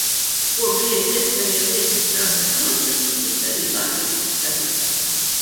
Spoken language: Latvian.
Ko bija iespēja viesizrādēs noskatīties arī latviešu skatītājam.